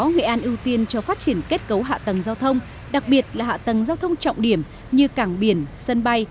nghệ an ưu tiên cho phát triển kết cấu hạ tầng giao thông đặc biệt là hạ tầng giao thông trọng điểm như cảng biển sân bay